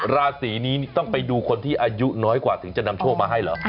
ราศีนี้ต้องไปดูคนที่อายุน้อยกว่าถึงจะนำโชคมาให้เหรอ